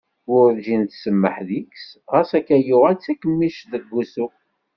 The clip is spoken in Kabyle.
Werǧin tsemmeḥ deg-s ɣas akka yuɣal d takemmict deg wussu.